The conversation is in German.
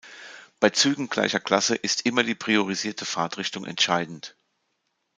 Bei Zügen gleicher Klasse ist immer die priorisierte Fahrtrichtung entscheidend.